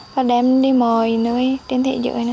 và đem đi mời